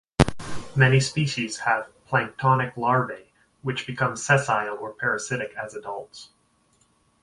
Many species have planktonic larvae which become sessile or parasitic as adults.